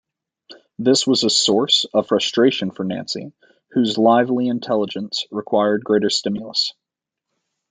This was a source of frustration for Nancy, whose lively intelligence required greater stimulus.